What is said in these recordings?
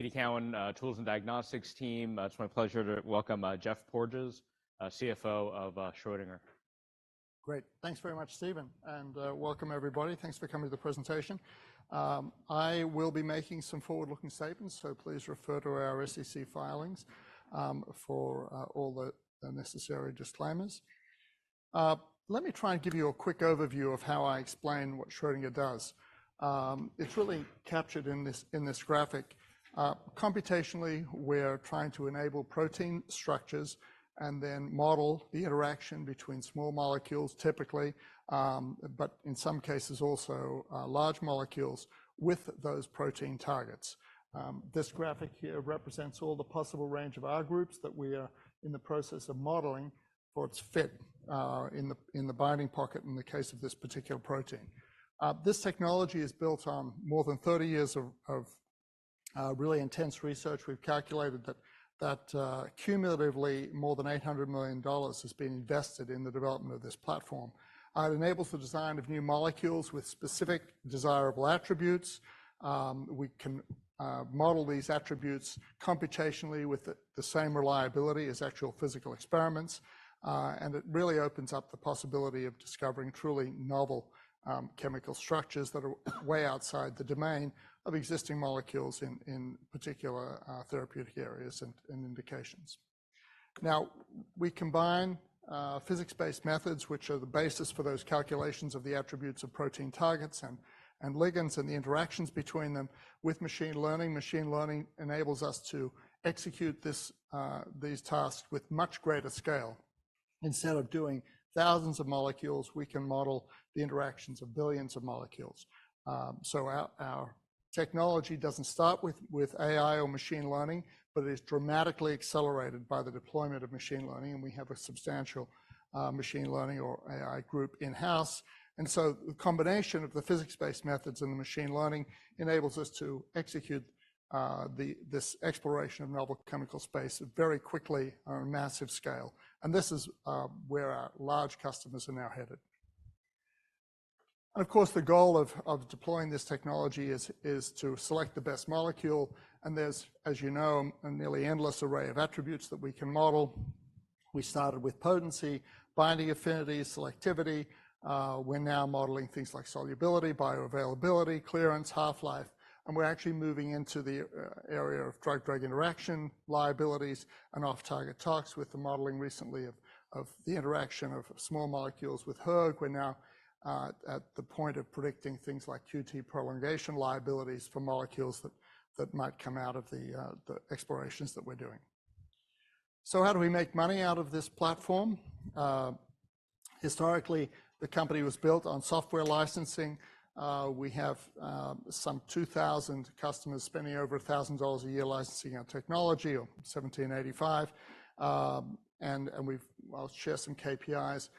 TD Cowen, Tools and Diagnostics team. It's my pleasure to welcome Geoff Porges, CFO of Schrödinger. Great. Thanks very much, Steven, and welcome everybody. Thanks for coming to the presentation. I will be making some forward-looking statements, so please refer to our SEC filings for all the necessary disclaimers. Let me try and give you a quick overview of how I explain what Schrödinger does. It's really captured in this graphic. Computationally, we're trying to enable protein structures and then model the interaction between small molecules, typically, but in some cases also large molecules with those protein targets. This graphic here represents all the possible range of R groups that we are in the process of modeling for its fit in the binding pocket in the case of this particular protein. This technology is built on more than 30 years of really intense research. We've calculated that cumulatively more than $800 million has been invested in the development of this platform. It enables the design of new molecules with specific desirable attributes. We can model these attributes computationally with the same reliability as actual physical experiments. And it really opens up the possibility of discovering truly novel chemical structures that are way outside the domain of existing molecules in particular therapeutic areas and indications. Now, we combine physics-based methods, which are the basis for those calculations of the attributes of protein targets and ligands and the interactions between them, with machine learning. Machine learning enables us to execute these tasks with much greater scale. Instead of doing thousands of molecules, we can model the interactions of billions of molecules. So our technology doesn't start with AI or machine learning, but it is dramatically accelerated by the deployment of machine learning, and we have a substantial machine learning or AI group in-house. And so the combination of the physics-based methods and the machine learning enables us to execute this exploration of novel chemical space very quickly on a massive scale. And this is where our large customers are now headed. And of course, the goal of deploying this technology is to select the best molecule. And there's, as you know, a nearly endless array of attributes that we can model. We started with potency, binding affinity, selectivity. We're now modeling things like solubility, bioavailability, clearance, half-life, and we're actually moving into the area of drug-drug interaction liabilities and off-target toxicity with the modeling recently of the interaction of small molecules with hERG. We're now at the point of predicting things like QT prolongation liabilities for molecules that might come out of the explorations that we're doing. So how do we make money out of this platform? Historically, the company was built on software licensing. We have some 2,000 customers spending over $1,000 a year licensing our technology or 1,785. And we've. I'll share some KPIs,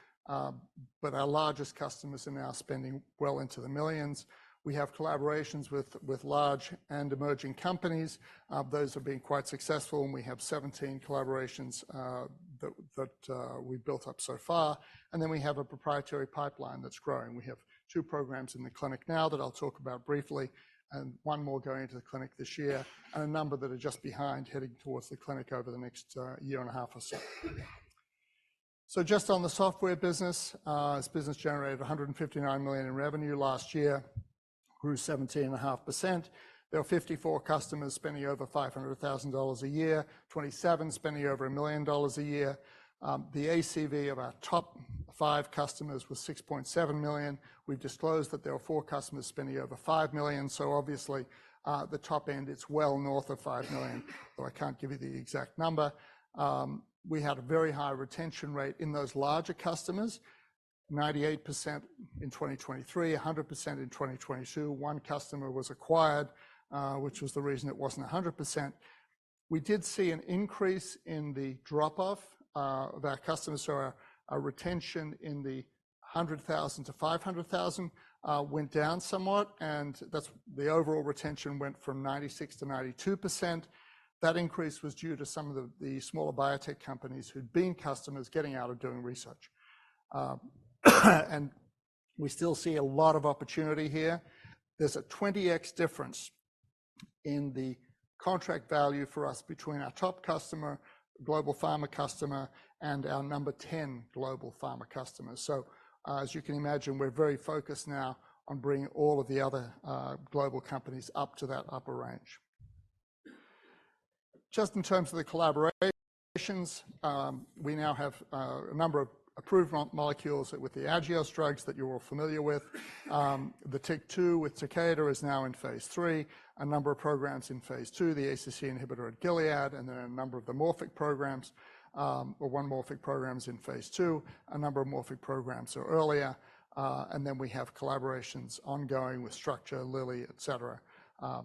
but our largest customers are now spending well into the millions. We have collaborations with large and emerging companies. Those are being quite successful, and we have 17 collaborations that we've built up so far. And then we have a proprietary pipeline that's growing. We have two programs in the clinic now that I'll talk about briefly, and one more going into the clinic this year, and a number that are just behind heading towards the clinic over the next year and a half or so. So just on the software business, its business generated $159 million in revenue last year, grew 17.5%. There were 54 customers spending over $500,000 a year, 27 spending over $1 million a year. The ACV of our top five customers was $6.7 million. We've disclosed that there were four customers spending over $5 million. So obviously, the top end, it's well north of $5 million, though I can't give you the exact number. We had a very high retention rate in those larger customers, 98% in 2023, 100% in 2022. One customer was acquired, which was the reason it wasn't 100%. We did see an increase in the drop-off of our customers. So our retention in the 100,000-500,000 went down somewhat, and that's the overall retention went from 96%-92%. That increase was due to some of the smaller biotech companies who'd been customers getting out of doing research. We still see a lot of opportunity here. There's a 20x difference in the contract value for us between our top customer, global pharma customer, and our number 10 global pharma customer. So, as you can imagine, we're very focused now on bringing all of the other global companies up to that upper range. Just in terms of the collaborations, we now have a number of approved molecules with the Agios drugs that you're all familiar with. The TYK2 with Takeda is now in phase 3, a number of programs in phase 2, the ACC inhibitor at Gilead, and then a number of the Morphic programs, or one Morphic program is in phase 2, a number of Morphic programs are earlier. And then we have collaborations ongoing with Structure, Lilly, etc.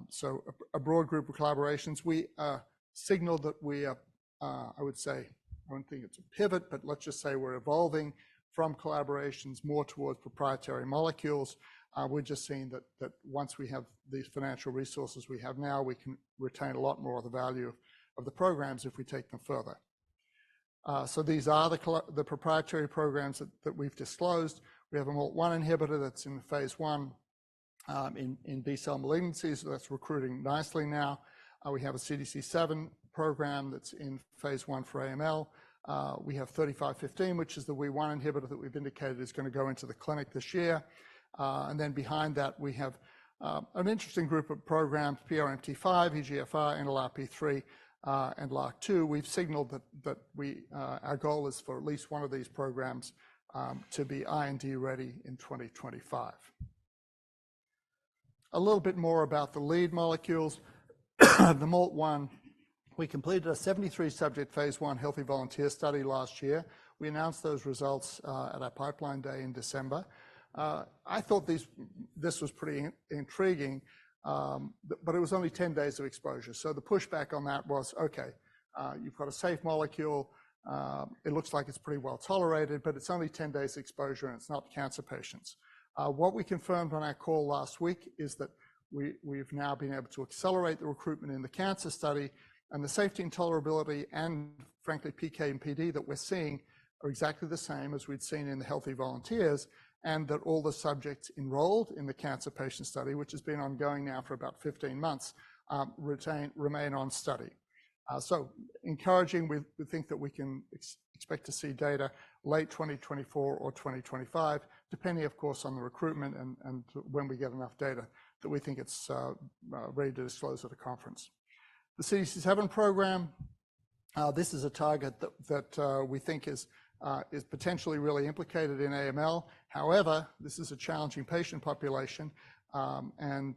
So a broad group of collaborations. We signal that we are, I would say I don't think it's a pivot, but let's just say we're evolving from collaborations more towards proprietary molecules. We're just seeing that, that once we have the financial resources we have now, we can retain a lot more of the value of, of the programs if we take them further. So these are the, the proprietary programs that, that we've disclosed. We have a MALT1 inhibitor that's in phase 1, in, in B-cell malignancies. That's recruiting nicely now. We have a CDC7 program that's in phase 1 for AML. We have 3515, which is the WEE1 inhibitor that we've indicated is going to go into the clinic this year. And then behind that, we have an interesting group of programs, PRMT5, EGFR, NLRP3, and LRRK2. We've signaled that we, our goal is for at least one of these programs to be IND ready in 2025. A little bit more about the lead molecules. The MALT1, we completed a 73-subject phase 1 healthy volunteer study last year. We announced those results at our pipeline day in December. I thought these, this was pretty intriguing, but it was only 10 days of exposure. So the pushback on that was, okay, you've got a safe molecule. It looks like it's pretty well tolerated, but it's only 10 days of exposure, and it's not cancer patients. What we confirmed on our call last week is that we've now been able to accelerate the recruitment in the cancer study, and the safety and tolerability and, frankly, PK and PD that we're seeing are exactly the same as we'd seen in the healthy volunteers, and that all the subjects enrolled in the cancer patient study, which has been ongoing now for about 15 months, remain on study. So encouraging, we think that we can expect to see data late 2024 or 2025, depending, of course, on the recruitment and when we get enough data that we think it's ready to disclose at a conference. The CDC7 program, this is a target that we think is potentially really implicated in AML. However, this is a challenging patient population, and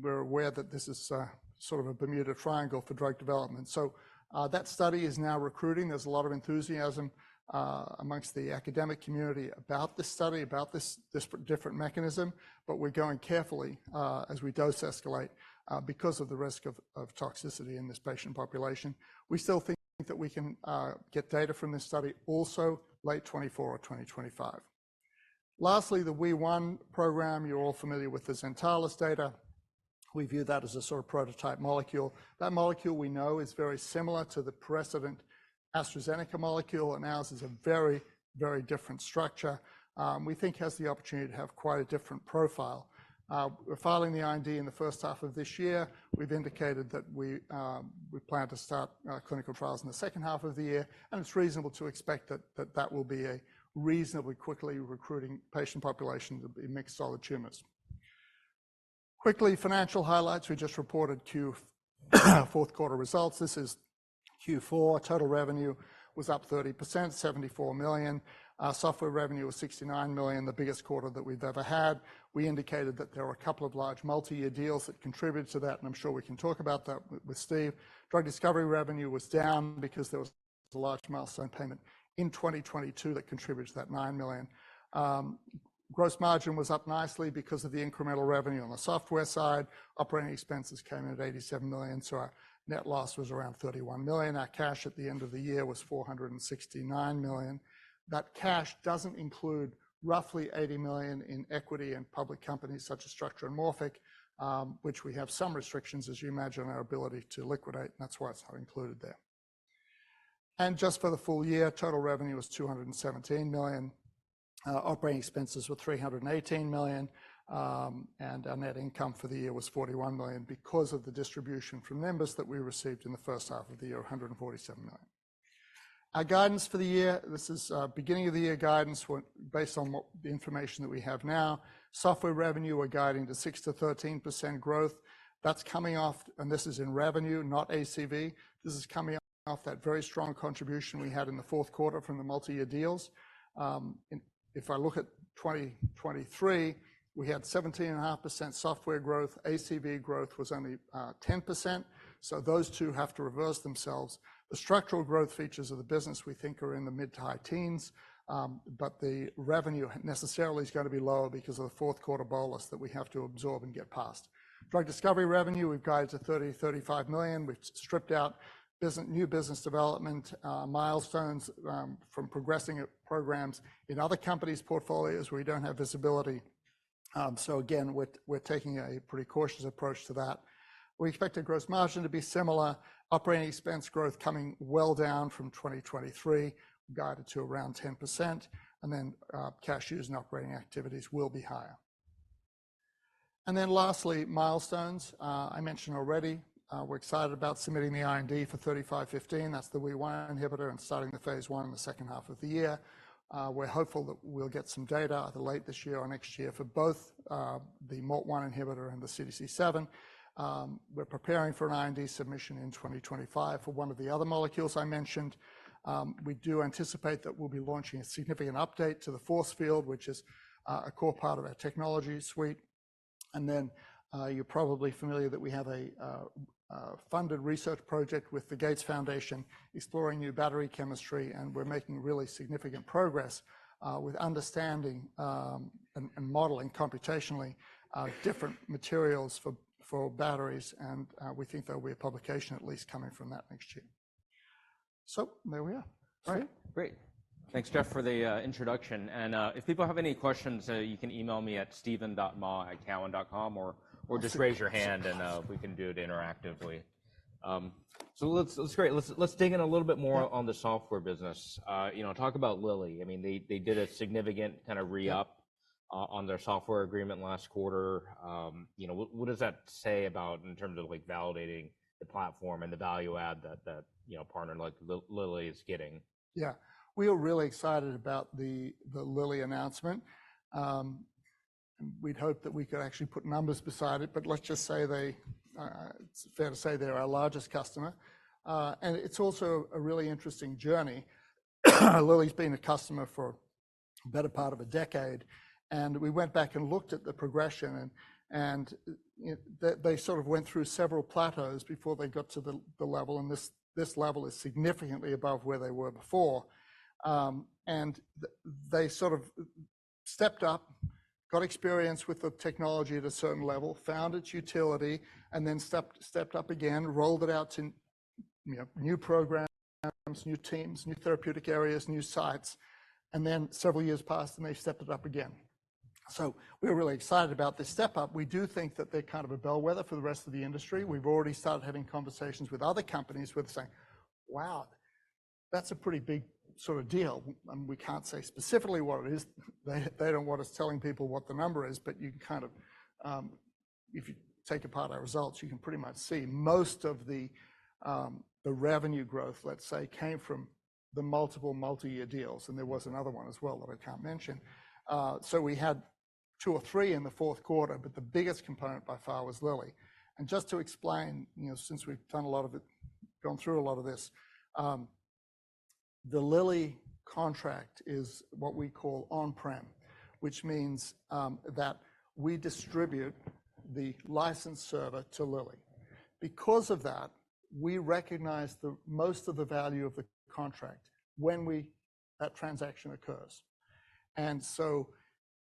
we're aware that this is sort of a Bermuda Triangle for drug development. So, that study is now recruiting. There's a lot of enthusiasm among the academic community about this study, about this different mechanism, but we're going carefully, as we dose escalate, because of the risk of toxicity in this patient population. We still think that we can get data from this study also late 2024 or 2025. Lastly, the WEE1 program, you're all familiar with the Zentalis data. We view that as a sort of prototype molecule. That molecule, we know, is very similar to the precedent AstraZeneca molecule, and ours is a very, very different structure. We think has the opportunity to have quite a different profile. We're filing the IND in the first half of this year. We've indicated that we plan to start clinical trials in the second half of the year, and it's reasonable to expect that that will be a reasonably quickly recruiting patient population to be mixed solid tumors. Quickly, financial highlights. We just reported Q4 results. This is Q4. Total revenue was up 30%, $74 million. Software revenue was $69 million, the biggest quarter that we've ever had. We indicated that there were a couple of large multi-year deals that contributed to that, and I'm sure we can talk about that with Steve. Drug discovery revenue was down because there was a large milestone payment in 2022 that contributed to that $9 million. Gross margin was up nicely because of the incremental revenue on the software side. Operating expenses came in at $87 million, so our net loss was around $31 million. Our cash at the end of the year was $469 million. That cash doesn't include roughly $80 million in equity and public companies such as Structure and Morphic, which we have some restrictions, as you imagine, our ability to liquidate, and that's why it's not included there. Just for the full year, total revenue was $217 million. Operating expenses were $318 million. Our net income for the year was $41 million because of the distribution from Nimbus that we received in the first half of the year, $147 million. Our guidance for the year, this is, beginning of the year guidance based on what the information that we have now. Software revenue we're guiding to 6%-13% growth. That's coming off, and this is in revenue, not ACV. This is coming off that very strong contribution we had in the fourth quarter from the multi-year deals. If I look at 2023, we had 17.5% software growth. ACV growth was only 10%. So those two have to reverse themselves. The structural growth features of the business we think are in the mid to high teens, but the revenue necessarily is going to be lower because of the fourth quarter bolus that we have to absorb and get past. Drug discovery revenue, we've guided to $30-$35 million. We've stripped out business new business development, milestones, from progressing programs in other companies' portfolios where we don't have visibility, so again, we're, we're taking a pretty cautious approach to that. We expect a gross margin to be similar. Operating expense growth coming well down from 2023, guided to around 10%, and then, cash use and operating activities will be higher. And then lastly, milestones, I mentioned already. We're excited about submitting the IND for 3515. That's the WEE1 inhibitor and starting the phase one in the second half of the year. We're hopeful that we'll get some data either late this year or next year for both, the MALT1 inhibitor and the CDC7. We're preparing for an IND submission in 2025 for one of the other molecules I mentioned. We do anticipate that we'll be launching a significant update to the force field, which is a core part of our technology suite. You're probably familiar that we have a funded research project with the Bill & Melinda Gates Foundation exploring new battery chemistry, and we're making really significant progress with understanding and modeling computationally different materials for batteries, and we think there'll be a publication at least coming from that next year. So there we are. All right. Great. Thanks, Geoff, for the introduction. If people have any questions, you can email me at Steven.Mah@cowen.com or just raise your hand, and we can do it interactively. So let's, let's great. Let's dig in a little bit more on the software business. You know, talk about Lilly. I mean, they did a significant kind of re-up on their software agreement last quarter. You know, what does that say about in terms of like validating the platform and the value add that you know partner like Lilly is getting? Yeah, we were really excited about the Lilly announcement. We'd hope that we could actually put numbers beside it, but let's just say they, it's fair to say they're our largest customer. And it's also a really interesting journey. Lilly's been a customer for a better part of a decade, and we went back and looked at the progression, and, you know, they sort of went through several plateaus before they got to the level, and this level is significantly above where they were before. They sort of stepped up, got experience with the technology at a certain level, found its utility, and then stepped up again, rolled it out to, you know, new programs, new teams, new therapeutic areas, new sites, and then several years passed, and they stepped it up again. So we're really excited about this step up. We do think that they're kind of a bellwether for the rest of the industry. We've already started having conversations with other companies where they're saying, "Wow, that's a pretty big sort of deal." And we can't say specifically what it is. They, they don't want us telling people what the number is, but you can kind of, if you take apart our results, you can pretty much see most of the revenue growth, let's say, came from the multiple multi-year deals, and there was another one as well that I can't mention. So we had two or three in the fourth quarter, but the biggest component by far was Lilly. And just to explain, you know, since we've done a lot of it, gone through a lot of this, the Lilly contract is what we call on-prem, which means that we distribute the licensed server to Lilly. Because of that, we recognize the most of the value of the contract when that transaction occurs. And so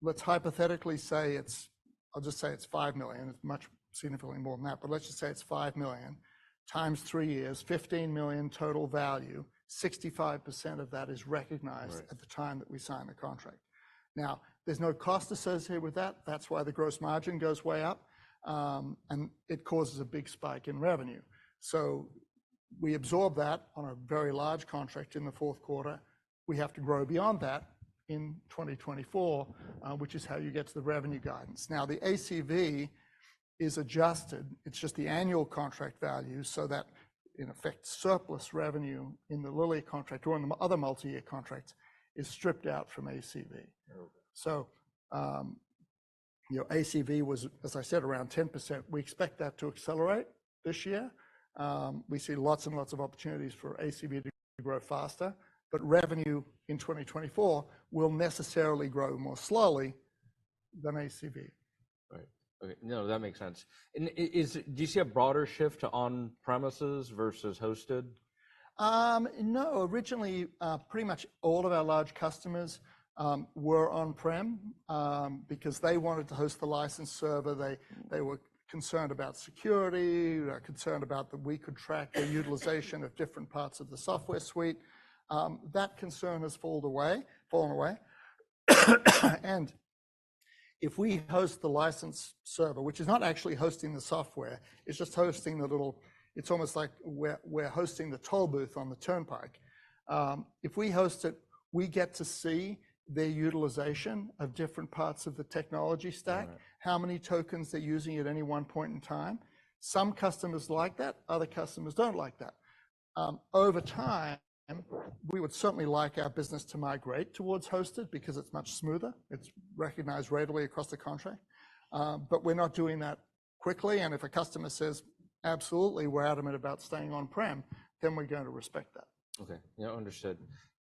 let's hypothetically say it's, I'll just say it's $5 million. It's much significantly more than that, but let's just say it's $5 million times three years, $15 million total value, 65% of that is recognized at the time that we sign the contract. Now, there's no cost associated with that. That's why the gross margin goes way up, and it causes a big spike in revenue. So we absorb that on a very large contract in the fourth quarter. We have to grow beyond that in 2024, which is how you get to the revenue guidance. Now, the ACV is adjusted. It's just the annual contract value so that, in effect, surplus revenue in the Eli Lilly contract or in the other multi-year contracts is stripped out from ACV. So, you know, ACV was, as I said, around 10%. We expect that to accelerate this year. We see lots and lots of opportunities for ACV to grow faster, but revenue in 2024 will necessarily grow more slowly than ACV. Right. Okay. No, that makes sense. And is, do you see a broader shift to on-premises versus hosted? No. Originally, pretty much all of our large customers were on-prem, because they wanted to host the licensed server. They, they were concerned about security, concerned about that we could track the utilization of different parts of the software suite. That concern has fallen away, fallen away. And if we host the licensed server, which is not actually hosting the software, it's just hosting the little, it's almost like we're, we're hosting the toll booth on the turnpike. If we host it, we get to see their utilization of different parts of the technology stack, how many tokens they're using at any one point in time. Some customers like that. Other customers don't like that. Over time, we would certainly like our business to migrate towards hosted because it's much smoother. It's recognized readily across the contract. But we're not doing that quickly. And if a customer says, "Absolutely, we're adamant about staying on-prem," then we're going to respect that. Okay. Yeah, understood.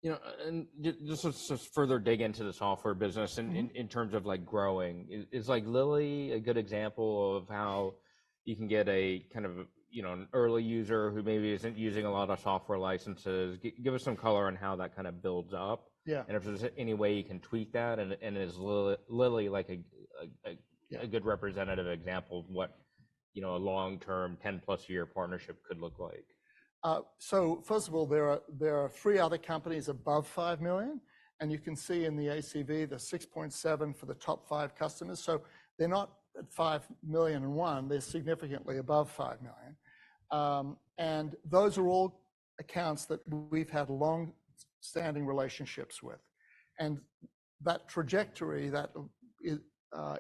You know, and just to further dig into the software business in terms of, like, growing, is like Lilly a good example of how you can get a kind of, you know, an early user who maybe isn't using a lot of software licenses? Give us some color on how that kind of builds up. Yeah. And if there's any way you can tweak that. And is Lilly like a good representative example of what, you know, a long-term 10-plus-year partnership could look like? So first of all, there are three other companies above $5 million, and you can see in the ACV, there's $6.7 million for the top five customers. So they're not at $5 million and one. They're significantly above $5 million. Those are all accounts that we've had long-standing relationships with. That trajectory, that is,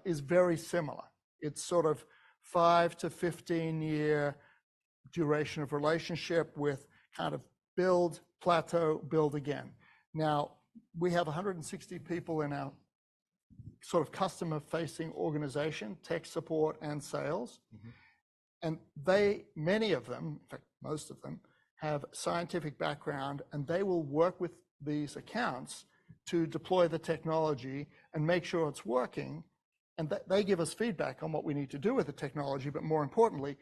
is very similar. It's sort of 5- to 15-year duration of relationship with kind of build, plateau, build again. Now, we have 160 people in our sort of customer-facing organization, tech support, and sales. Mm-hmm. They, many of them, in fact, most of them, have scientific background, and they will work with these accounts to deploy the technology and make sure it's working. They give us feedback on what we need to do with the technology. But more importantly,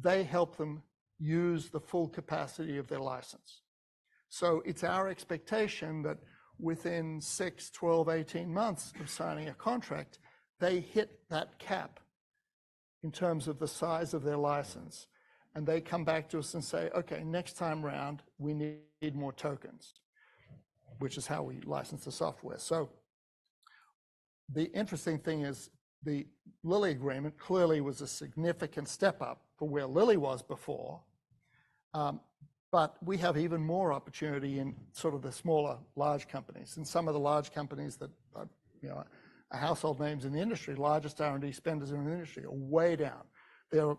they help them use the full capacity of their license. So it's our expectation that within 6, 12, 18 months of signing a contract, they hit that cap in terms of the size of their license, and they come back to us and say, "Okay, next time around, we need more tokens," which is how we license the software. So the interesting thing is the Lilly agreement clearly was a significant step up for where Lilly was before. But we have even more opportunity in sort of the smaller large companies. And some of the large companies that, you know, are household names in the industry, largest R&D spenders in the industry, are way down. They're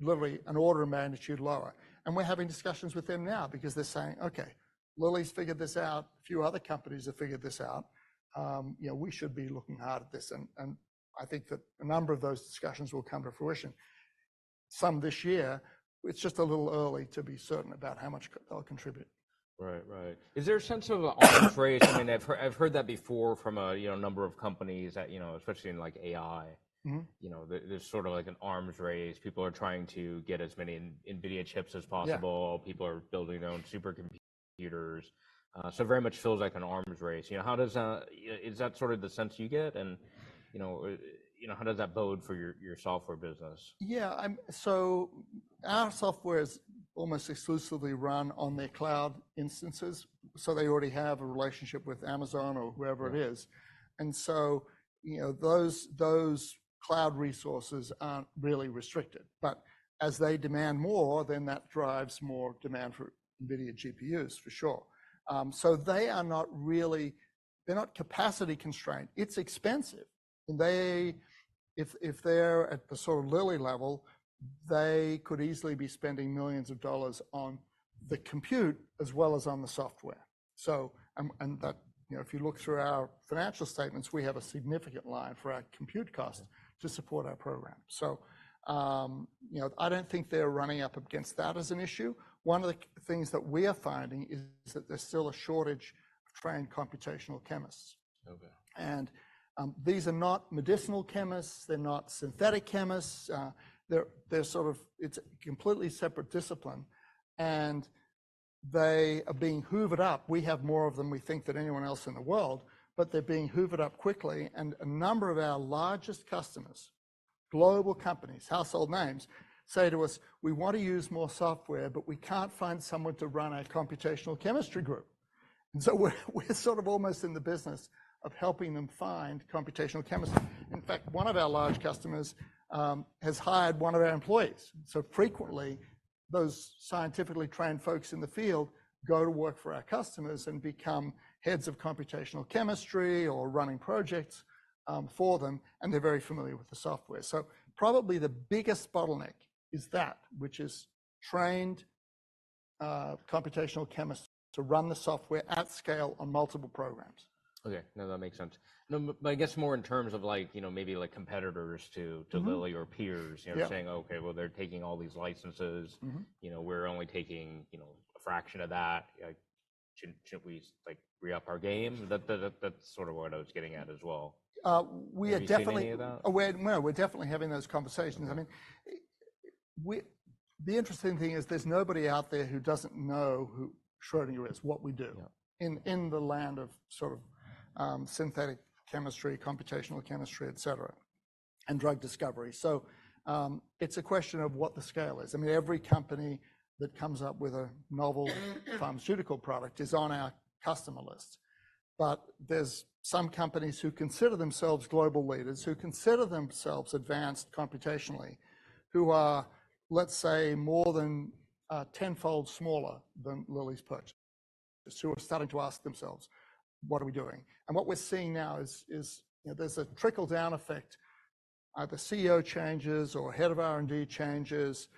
literally an order of magnitude lower. And we're having discussions with them now because they're saying, "Okay, Lilly's figured this out. A few other companies have figured this out. You know, we should be looking hard at this." And I think that a number of those discussions will come to fruition. Some this year. It's just a little early to be certain about how much they'll contribute. Right. Right. Is there a sense of an arms race? I mean, I've heard that before from a, you know, number of companies that, you know, especially in, like, AI. Mm-hmm. You know, there's sort of like an arms race. People are trying to get as many NVIDIA chips as possible. People are building their own supercomputers. So it very much feels like an arms race. You know, how does that, you know, is that sort of the sense you get? And, you know, how does that bode for your software business? Yeah. I'm so our software is almost exclusively run on their cloud instances. So they already have a relationship with Amazon or whoever it is. And so, you know, those, those cloud resources aren't really restricted. But as they demand more, then that drives more demand for NVIDIA GPUs, for sure. So they are not really, they're not capacity constrained. It's expensive. And they, if, if they're at the sort of Lilly level, they could easily be spending millions of dollars on the compute as well as on the software. So, and, and that, you know, if you look through our financial statements, we have a significant line for our compute costs to support our program. So, you know, I don't think they're running up against that as an issue. One of the things that we are finding is that there's still a shortage of trained computational chemists. Okay. And these are not medicinal chemists. They're not synthetic chemists. They're, they're sort of, it's a completely separate discipline. And they are being hoovered up. We have more of them we think than anyone else in the world, but they're being hoovered up quickly. And a number of our largest customers, global companies, household names, say to us, "We want to use more software, but we can't find someone to run our computational chemistry group." And so we're, we're sort of almost in the business of helping them find computational chemistry. In fact, one of our large customers has hired one of our employees. So frequently, those scientifically trained folks in the field go to work for our customers and become heads of computational chemistry or running projects for them, and they're very familiar with the software. So probably the biggest bottleneck is that, which is trained computational chemists to run the software at scale on multiple programs. Okay. No, that makes sense. No, but I guess more in terms of, like, you know, maybe, like, competitors to Lilly or peers, you know, saying, "Okay, well, they're taking all these licenses. You know, we're only taking, you know, a fraction of that. Like, shouldn't we, like, re-up our game?" That's sort of what I was getting at as well. We're definitely having those conversations. I mean, the interesting thing is there's nobody out there who doesn't know who Schrödinger is, what we do in the land of sort of synthetic chemistry, computational chemistry, etc., and drug discovery. So, it's a question of what the scale is. I mean, every company that comes up with a novel pharmaceutical product is on our customer list. But there's some companies who consider themselves global leaders, who consider themselves advanced computationally, who are, let's say, more than tenfold smaller than Lilly's purchase, who are starting to ask themselves, "What are we doing?" And what we're seeing now is, you know, there's a trickle-down effect. Either CEO changes or head of R&D changes.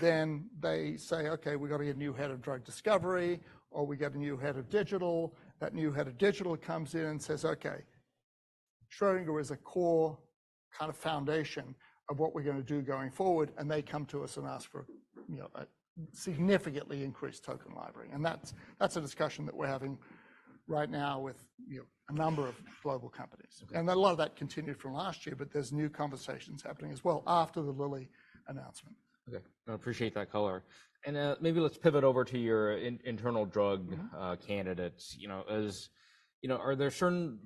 Then they say, "Okay, we've got to get a new head of drug discovery, or we get a new head of digital." That new head of digital comes in and says, "Okay, Schrödinger is a core kind of foundation of what we're going to do going forward." And they come to us and ask for, you know, a significantly increased token library. And that's a discussion that we're having right now with, you know, a number of global companies. A lot of that continued from last year, but there's new conversations happening as well after the Lilly announcement. Okay. I appreciate that color. Maybe let's pivot over to your internal drug candidates. You know, as, you know, are there certain,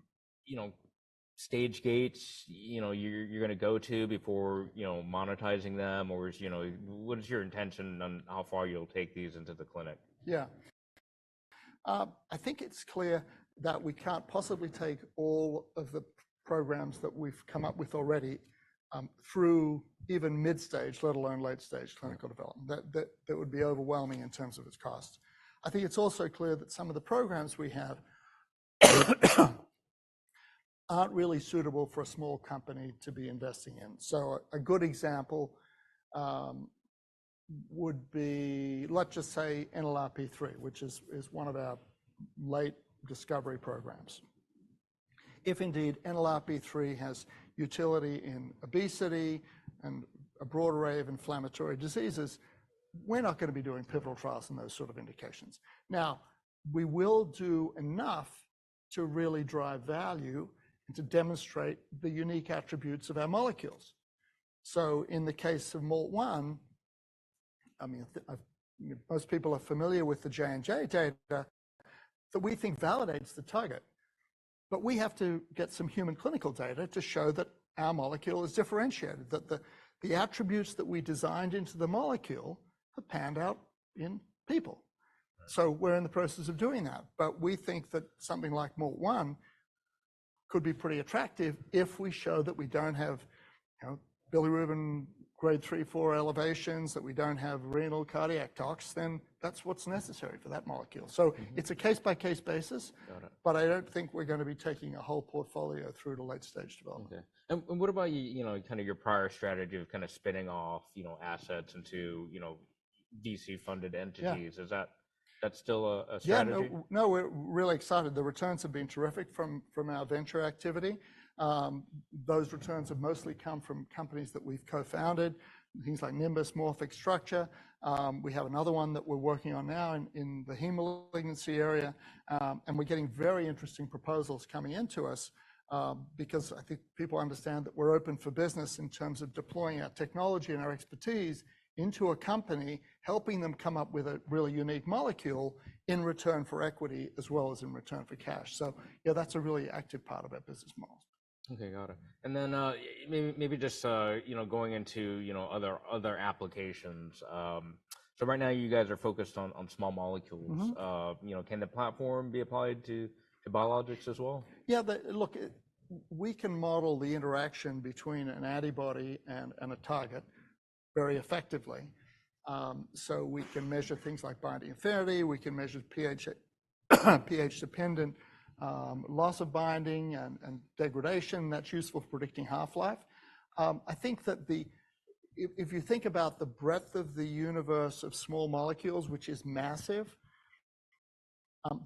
you know, stage gates, you know, you're going to go to before, you know, monetizing them, or is, you know, what is your intention on how far you'll take these into the clinic? Yeah. I think it's clear that we can't possibly take all of the programs that we've come up with already, through even mid-stage, let alone late-stage clinical development. That would be overwhelming in terms of its cost. I think it's also clear that some of the programs we have aren't really suitable for a small company to be investing in. So a good example would be, let's just say, NLRP3, which is one of our late discovery programs. If indeed NLRP3 has utility in obesity and a broad array of inflammatory diseases, we're not going to be doing pivotal trials in those sort of indications. Now, we will do enough to really drive value and to demonstrate the unique attributes of our molecules. So in the case of MALT1, I mean, I think most people are familiar with the J&J data that we think validates the target. But we have to get some human clinical data to show that our molecule is differentiated, that the attributes that we designed into the molecule have panned out in people. So we're in the process of doing that. But we think that something like MALT1 could be pretty attractive if we show that we don't have, you know, bilirubin grade 3-4 elevations, that we don't have renal cardiac tox, then that's what's necessary for that molecule. So it's a case-by-case basis. Got it. But I don't think we're going to be taking a whole portfolio through to late-stage development. Okay. And what about you, you know, kind of your prior strategy of kind of spinning off, you know, assets into, you know, VC-funded entities? Is that still a strategy? Yeah. No, no, we're really excited. The returns have been terrific from our venture activity. Those returns have mostly come from companies that we've co-founded, things like Nimbus, Morphic, Structure. We have another one that we're working on now in the hematologic malignancy area. We're getting very interesting proposals coming into us, because I think people understand that we're open for business in terms of deploying our technology and our expertise into a company, helping them come up with a really unique molecule in return for equity as well as in return for cash. So, yeah, that's a really active part of our business model. Okay. Got it. And then, maybe just, you know, going into, you know, other applications. So right now you guys are focused on small molecules. You know, can the platform be applied to biologics as well? Yeah. Look, we can model the interaction between an antibody and a target very effectively. So we can measure things like binding affinity. We can measure pH, pH-dependent, loss of binding and degradation. That's useful for predicting half-life. I think that if you think about the breadth of the universe of small molecules, which is massive,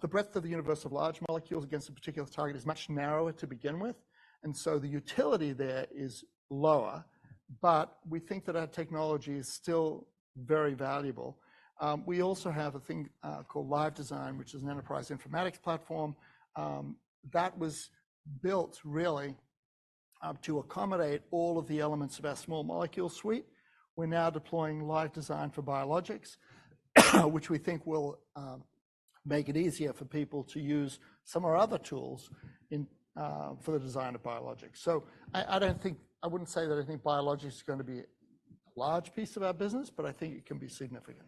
the breadth of the universe of large molecules against a particular target is much narrower to begin with. And so the utility there is lower. But we think that our technology is still very valuable. We also have a thing called LiveDesign, which is an enterprise informatics platform. That was built really to accommodate all of the elements of our small molecule suite. We're now deploying LiveDesign for biologics, which we think will make it easier for people to use some of our other tools in for the design of biologics. So I don't think I wouldn't say that I think biologics is going to be a large piece of our business, but I think it can be significant.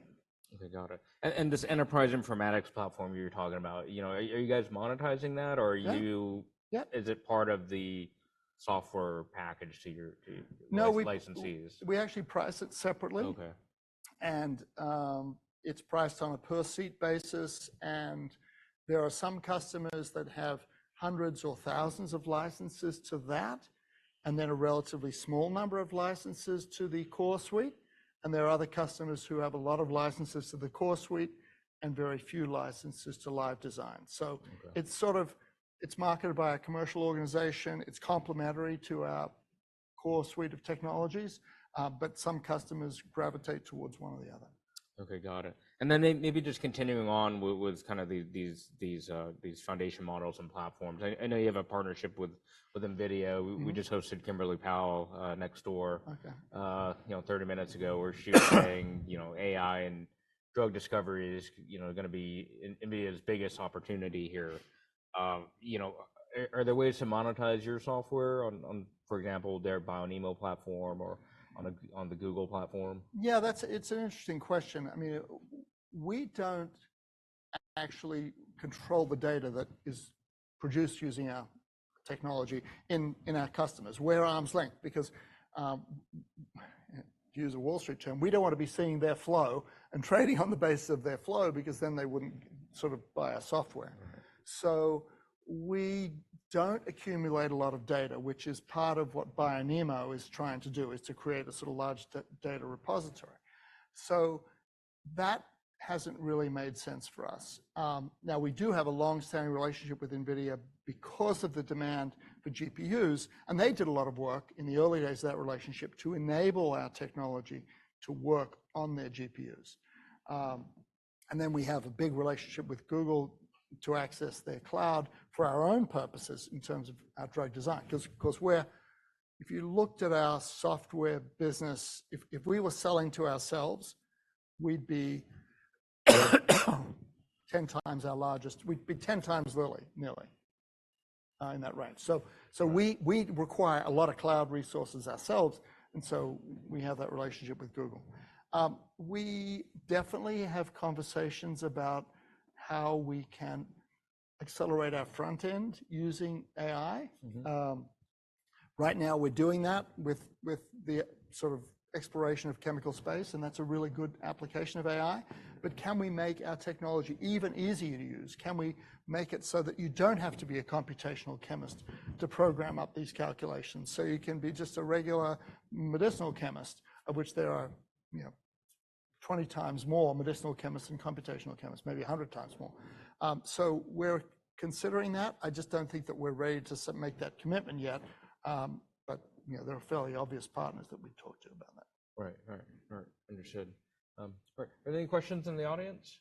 Okay. Got it. And this enterprise informatics platform you're talking about, you know, are you guys monetizing that, or are you, is it part of the software package to your licensees? No, we actually price it separately. Okay. And it's priced on a per-seat basis. And there are some customers that have hundreds or thousands of licenses to that and then a relatively small number of licenses to the core suite. And there are other customers who have a lot of licenses to the core suite and very few licenses to LiveDesign. So it's sort of, it's marketed by a commercial organization. It's complementary to our core suite of technologies. But some customers gravitate towards one or the other. Okay. Got it. And then maybe just continuing on with kind of these foundation models and platforms. I know you have a partnership with NVIDIA. We just hosted Kimberly Powell next door, you know, 30 minutes ago where she was saying, you know, AI and drug discovery is, you know, going to be NVIDIA's biggest opportunity here. You know, are there ways to monetize your software on, for example, their BioNeMo platform or on the Google platform? Yeah. That's an interesting question. I mean, we don't actually control the data that is produced using our technology in our customers. We're arm's-length because, to use a Wall Street term, we don't want to be seeing their flow and trading on the basis of their flow because then they wouldn't sort of buy our software. So we don't accumulate a lot of data, which is part of what BioNeMo is trying to do, is to create a sort of large data repository. So that hasn't really made sense for us. Now we do have a longstanding relationship with NVIDIA because of the demand for GPUs. And they did a lot of work in the early days of that relationship to enable our technology to work on their GPUs. And then we have a big relationship with Google to access their cloud for our own purposes in terms of our drug design. Because, of course, we're, if you looked at our software business, if, if we were selling to ourselves, we'd be 10 times our largest, we'd be 10 times Eli Lilly, nearly, in that range. So, so we, we require a lot of cloud resources ourselves. And so we have that relationship with Google. We definitely have conversations about how we can accelerate our front-end using AI. Right now we're doing that with, with the sort of exploration of chemical space. That's a really good application of AI. But can we make our technology even easier to use? Can we make it so that you don't have to be a computational chemist to program up these calculations so you can be just a regular medicinal chemist, of which there are, you know, 20 times more medicinal chemists and computational chemists, maybe 100 times more? So we're considering that. I just don't think that we're ready to make that commitment yet. But, you know, there are fairly obvious partners that we talk to about that. Right. Right. Right. Understood. All right. Are there any questions in the audience?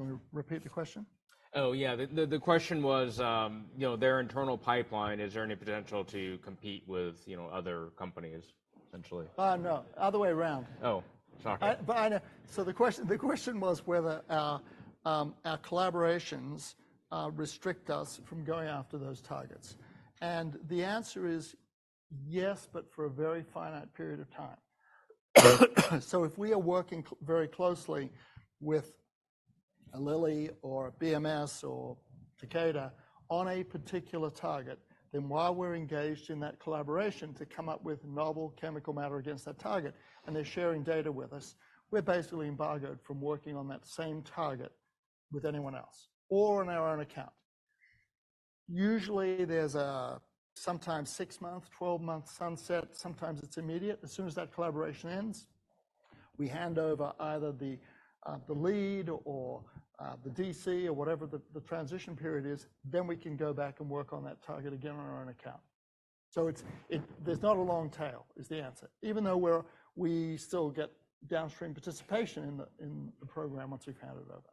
You want to repeat the question? Oh, yeah. The question was, you know, their internal pipeline, is there any potential to compete with, you know, other companies, essentially? No. Other way around. Oh. Sorry. But I know. So the question was whether our collaborations restrict us from going after those targets. And the answer is yes, but for a very finite period of time. So if we are working very closely with Lilly or BMS or Takeda on a particular target, then while we're engaged in that collaboration to come up with novel chemical matter against that target and they're sharing data with us, we're basically embargoed from working on that same target with anyone else or on our own account. Usually, there's a sometimes 6-month, 12-month sunset. Sometimes it's immediate. As soon as that collaboration ends, we hand over either the lead or the DC or whatever the transition period is. Then we can go back and work on that target again on our own account. So, there's not a long tail, is the answer, even though we still get downstream participation in the program once we've handed over.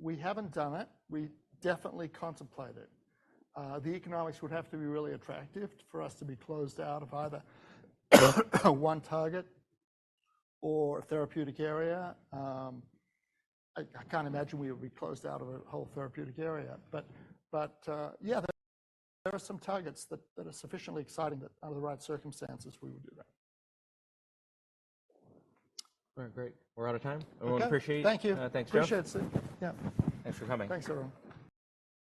Do you do any deals, Geoff, where it's exclusive? In other words, if somebody comes and says, "I want to explore this area, I don't want to build anything else," is that something you've done? We haven't done it. We definitely contemplate it. The economics would have to be really attractive for us to be closed out of either one target or a therapeutic area. I can't imagine we would be closed out of a whole therapeutic area. But yeah, there are some targets that are sufficiently exciting that under the right circumstances, we would do that. All right. Great. We're out of time. Everyone, appreciate. Thank you. Thanks, Geoff. Appreciate it, Steven. Yeah. Thanks for coming. Thanks, everyone.